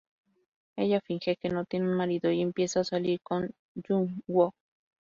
Ella finge que no tiene un marido y empieza a salir con Jung-woo.